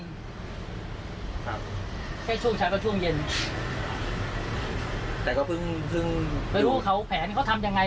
ครับแค่ช่วงเช้าก็ช่วงเย็นแต่ก็เพิ่งพึงไม่รู้เขาแผนเขาทำยังไง